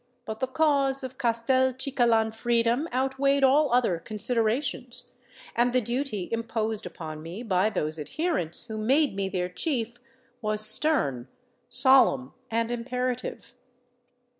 But the cause of Castelcicalan freedom outweighed all other considerations; and the duty imposed upon me by those adherents who made me their Chief, was stern, solemn, and imperative."